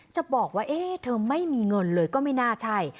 จะบอกว่าเธอไม่มีเงินเลยก็ไม่น่าใช่